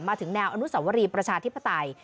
ถึงแนวอนุสวรีประชาธิปไตย